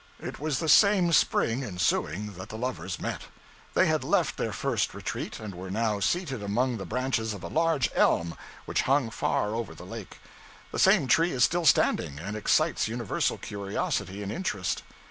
It was the same spring ensuing that the lovers met. They had left their first retreat, and were now seated among the branches of a large elm which hung far over the lake. (The same tree is still standing, and excites universal curiosity and interest.)